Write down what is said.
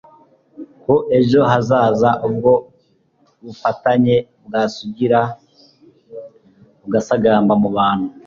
ko ejo hazaza ubwo bufatanye bwasugira bugasagamba mu bantu